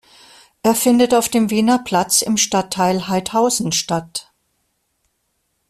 Er findet auf dem Wiener Platz im Stadtteil Haidhausen statt.